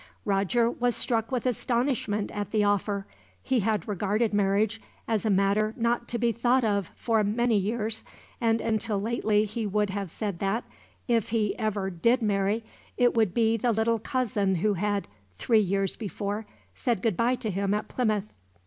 Roger was struck with astonishment at the offer. He had regarded marriage as a matter not to be thought of, for many years; and until lately he would have said that, if he ever did marry, it would be the little cousin who had, three years before, said goodbye to him at Plymouth.